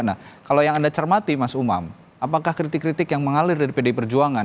nah kalau yang anda cermati mas umam apakah kritik kritik yang mengalir dari pdi perjuangan